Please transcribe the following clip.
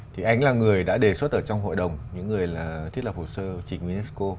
thì anh là người đã đề xuất ở trong hội đồng những người thiết lập hồ sơ chính unesco